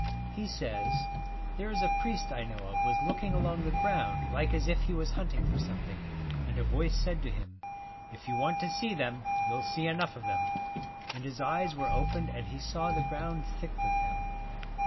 He says, ' There is a priest I know of was looking along the ground like as if he was hunting for something, and a voice said to him, "If you want to see them you'll see enough of them," and his eyes were opened and he saw the ground thick with them.